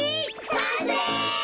さんせい！